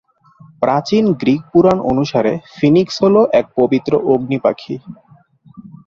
প্রাচীন গ্রিক পুরাণ অনুসারে ফিনিক্স হল এক পবিত্র ‘অগ্নিপাখি’।